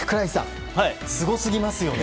すごすぎますよね！